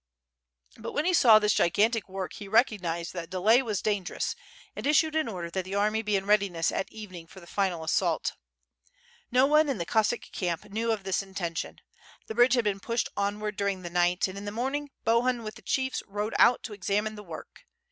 But when he saw this gigantic work he recognized that delay was dangerous and issued an order that the army be in readi ness at evening for the final assault. No one in the Cossack camp knew of this intention. The bridge had been pushed onward during the night, and in tUe morning, Bohun, with the chiefs, rode out to examine the work.